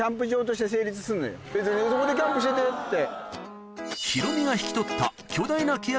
「そこでキャンプしてて」って。